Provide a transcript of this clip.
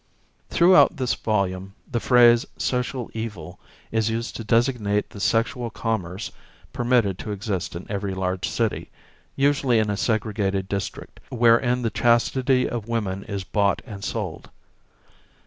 Throughout this volume the phrase "social evil" is used to designate the sexual commerce permitted to exist in every large city, usually in a segregated district, wherein the chastity of women is bought and sold.